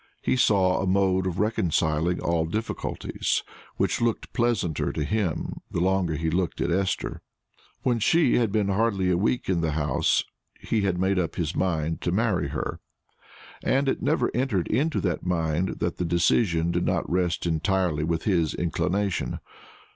He saw a mode of reconciling all difficulties, which looked pleasanter to him the longer he looked at Esther. When she had been hardly a week in the house, he had made up his mind to marry her; and it had never entered into that mind that the decision did not rest entirely with his inclination.